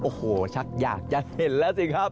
โอ้โหชักอยากจะเห็นแล้วสิครับ